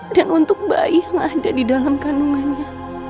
dan untuk bayi yang ada di dalam kandungannya